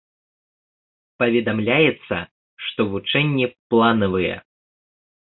Паведамляецца, што вучэнні планавыя.